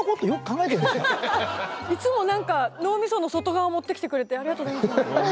いつも何か脳みその外側持ってきてくれてありがとうございます